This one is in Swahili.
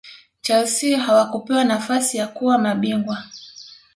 chelsea hawakupewa nafasi ya kuwa mabingwa